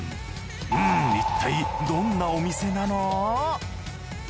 うんいったいどんなお店なの？